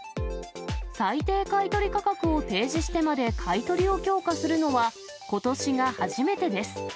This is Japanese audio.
最低買い取り価格を提示してまで買い取りを強化するのは、ことしが初めてです。